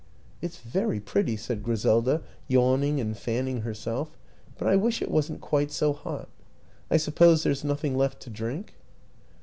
" It's very pretty," said Griselda, yawning and fanning herself, " but I wish it wasn't quite so hot. I suppose there's nothing left to drink?"